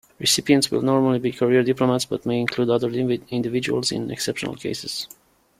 Recipients will normally be career diplomats, but may include other individuals in exceptional cases.